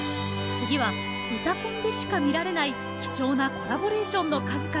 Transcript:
次は「うたコン」でしか見られない貴重なコラボレーションの数々。